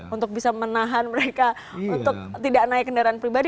untuk bisa menahan mereka untuk tidak naik kendaraan pribadi